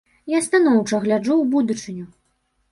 Я станоўча гляджу ў будучыню.